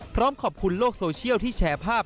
พร้อมขอบคุณโลกโซเชียลที่แชร์ภาพ